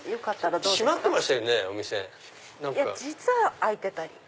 実は開いてたり。